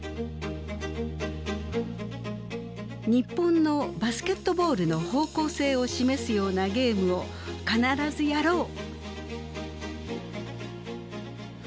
「日本のバスケットボールの方向性を示すようなゲームを必ずやろう」。